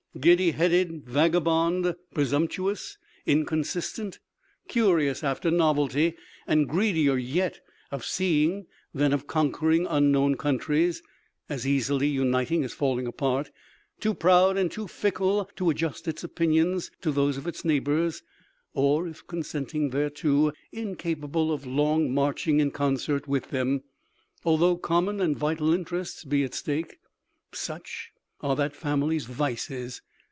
Giddy headed, vagabond, presumptuous, inconsistent, curious after novelty, and greedier yet of seeing than of conquering unknown countries, as easily uniting as falling apart, too proud and too fickle to adjust its opinions to those of its neighbors, or if consenting thereto, incapable of long marching in concert with them, although common and vital interests be at stake such are that family's vices.